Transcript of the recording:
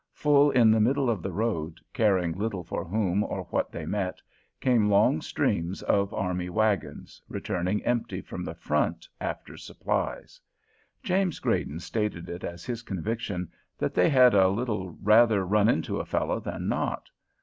Full in the middle of the road, caring little for whom or what they met, came long strings of army wagons, returning empty from the front after supplies. James Grayden stated it as his conviction that they had a little rather run into a fellow than not.